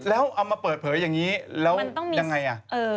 แล้วเอามาเปิดเผยอย่างนี้แล้วยังไงอ่ะ